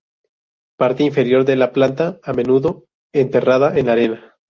Parte inferior de la planta a menudo enterrada en la arena.